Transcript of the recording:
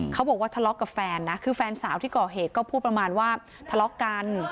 เขาบอกว่าทะเลาะกับแฟนนะคือแฟนสาวที่ก่อเหตุก็พูดประมาณว่าทะเลาะกัน